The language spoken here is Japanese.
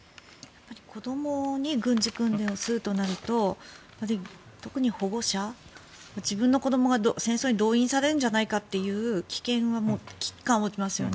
子どもに軍事訓練をするとなると特に保護者自分の子どもが戦争に動員されるんじゃないかという危機感を持ちますよね。